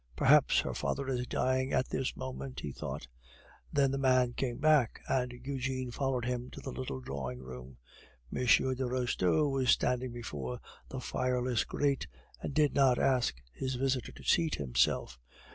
"Perhaps her father is dying at this moment," he thought. Then the man came back, and Eugene followed him to the little drawing room. M. de Restaud was standing before the fireless grate, and did not ask his visitor to seat himself.